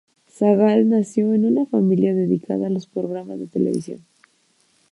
Sagal nació en una familia dedicada a los programas de televisión.